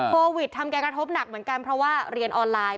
โควิดทำการกระทบหนักเหมือนกันเพราะว่าเรียนออนไลน์